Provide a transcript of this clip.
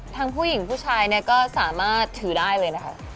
ผู้หญิงผู้ชายเนี่ยก็สามารถถือได้เลยนะคะ